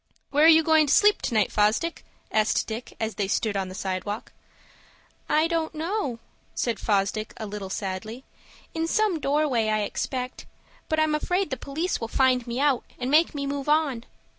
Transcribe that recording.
"Where are you going to sleep to night, Fosdick?" asked Dick, as they stood on the sidewalk. "I don't know," said Fosdick, a little sadly. "In some doorway, I expect. But I'm afraid the police will find me out, and make me move on."